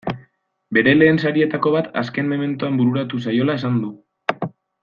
Bere lehen sarietako bat azken mementoan bururatu zaiola esan du.